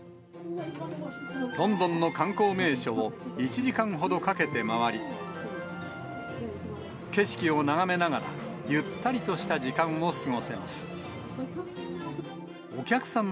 ロンドンの観光名所を１時間ほどかけて回り、景色を眺めながら、ゆったりとした時間を過ごせます。